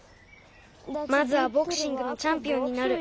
まずはボクシングのチャンピオンになる。